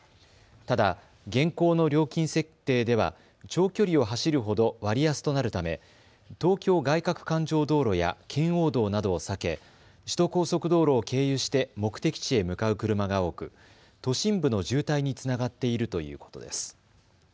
ただ現行の料金設定では長距離を走るほど割安となるため東京外かく環状道路や圏央道などを避け首都高速道路を経由して目的地へ向かう車が多く都心部の渋滞につながっているということです。